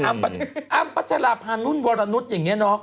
อ้ำพัชราภานุ่นวรนุษย์อย่างนี้เนาะ